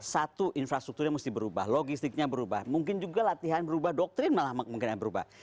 satu infrastrukturnya mesti berubah logistiknya berubah mungkin juga latihan berubah doktrin malah mungkin berubah